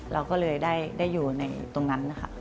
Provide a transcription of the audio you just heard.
เราก็เลยได้อยู่ในตรงนั้นนะคะ